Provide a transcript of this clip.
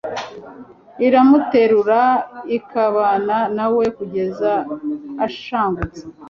iramuterura ikabana na we kugeza ashangutse